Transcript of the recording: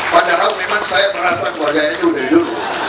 padahal memang saya merasa keluarga yang itu dari dulu